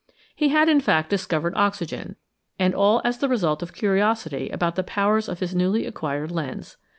He had, in fact, discovered oxygen, and all as the result of curiosity about the powers of his newly acquired lens.